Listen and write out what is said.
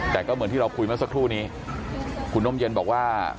แต่ก็เหมือนที่เราคุยเมื่อสักครู่นี้คุณน่มเย็นบอกว่า